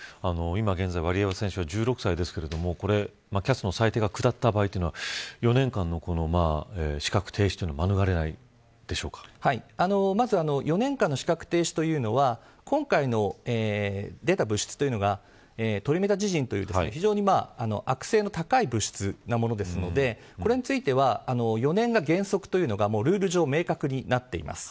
今現在ワリエワ選手１６歳ですがＣＡＳの裁定が下った場合４年間の資格停止というのはまず４年間の資格停止というのは今回の出た物質というのがトリメタジジンという非常に悪性の高い物質なものですからこれについては４年が原則というのがルール上明確になっています。